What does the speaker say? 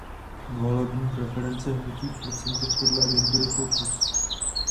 Volební preference hnutí v procentech podle agentury Focus.